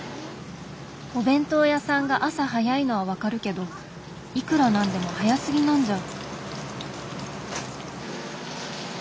お弁当屋さんが朝早いのはわかるけどいくら何でも早すぎなんじゃ。